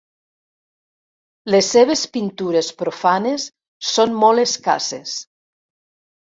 Les seves pintures profanes són molt escasses.